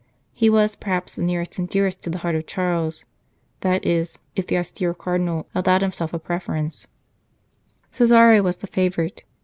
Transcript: He was, perhaps, the nearest and dearest to the heart of Charles ; that is, if the austere Cardinal allowed himself a prefer ence, Cesare was the favourite.